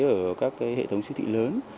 ở các hệ thống siêu thị lớn